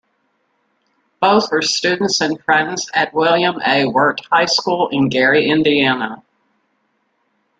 Both were students and friends at William A. Wirt High School in Gary, Indiana.